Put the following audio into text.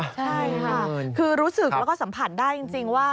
ใช่ค่ะคือรู้สึกแล้วก็สัมผัสได้จริงว่า